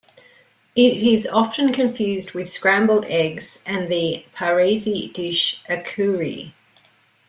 It is often confused with scrambled eggs and the Parsi dish "akuri".